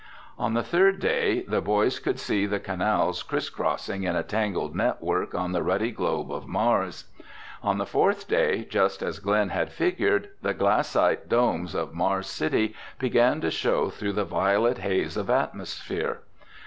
On the third day, the boys could see the canals criss crossing in a tangled network on the ruddy globe of Mars. On the fourth day, just as Glen had figured, the glassite domes of Mars City began to show through the violet haze of atmosphere.